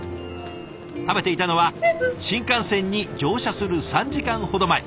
食べていたのは新幹線に乗車する３時間ほど前。